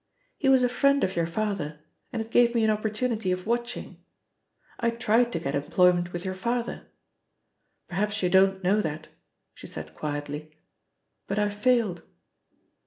He was a friend of your father, and it gave me an opportunity of watching. I tried to get employment with your father. Perhaps you don't know that," she said quietly, "but I failed.